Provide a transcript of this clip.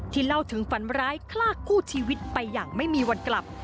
เล่าถึงฝันร้ายคลากคู่ชีวิตไปอย่างไม่มีวันกลับ